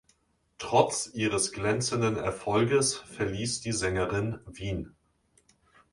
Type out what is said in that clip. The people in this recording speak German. Trotz ihres glänzenden Erfolges verließ die Sängerin Wien.